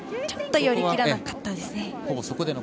ちょっと寄り切らなかったですね。